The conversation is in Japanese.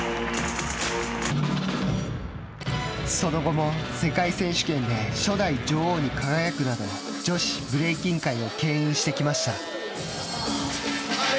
その後も世界選手権で初代女王に輝くなど女子ブレイキン界をけん引してきました。